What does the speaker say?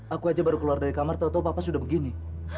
aku aja baru keluar dari kamar tvp sudah begini